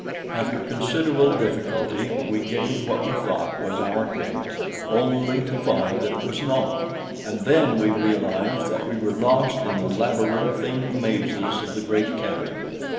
After considerable difficulty we gained what we thought was our cave, only to find that it was not, and then we realized that we were lost in the labyrinthine mazes of the great cavern.